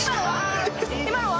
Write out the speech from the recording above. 今のは？